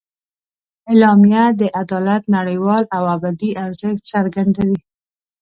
اعلامیه د عدالت نړیوال او ابدي ارزښت څرګندوي.